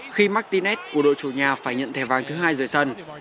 khi martinez của đội chủ nhà phải nhận thẻ vàng thứ hai giữa sân